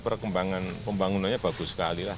perkembangan pembangunannya bagus sekali lah